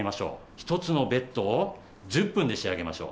１つのベッドを１０分で仕上げましょう。